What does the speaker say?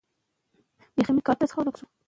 موږ تر اوسه پورې د کلي ټولې ونې شمېرلي دي.